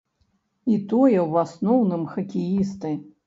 І тое ў асноўным хакеісты.